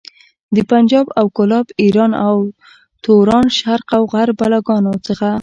د پنجاب او کولاب، ايران او توران، شرق او غرب بلاګانو څخه.